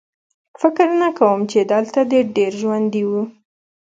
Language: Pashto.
فکر نه کوم چې دلته دې ډېر ژوندي وو